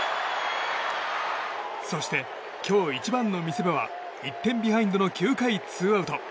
そして、今日一番の見せ場は１点ビハインドの９回ツーアウト。